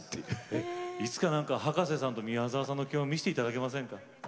いつか何か葉加瀬さんと宮沢さんの共演を見せて頂けませんか？